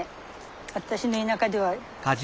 私の田舎では。